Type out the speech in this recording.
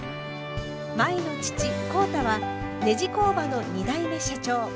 舞の父浩太はネジ工場の２代目社長。